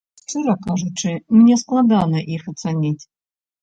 Шчыра кажучы, мне складана іх ацаніць.